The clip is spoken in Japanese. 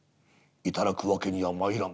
頂く訳にはまいらん」。